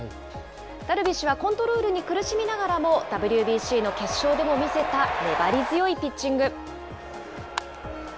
ダルビッシュはコントロールに苦しみながらもＷＢＣの決勝でも見せた粘り強いピッチング。